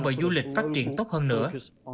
và du lịch phát triển tốt hơn nữa